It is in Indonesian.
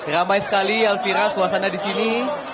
ramai sekali alfira suasana disini